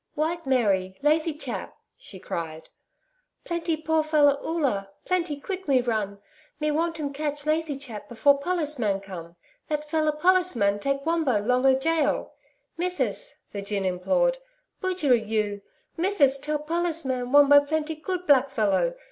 'White Mary! Lathy chap!' she cried. 'Plenty poor feller Oola. Plenty quick me run. Me want 'em catch Lathy chap before pollis man come. That feller pollis man take Wombo long a gaol. Mithsis' the gin implored. 'BUJERI you! Mithis tell pollis man Wombo plenty good blackfellow.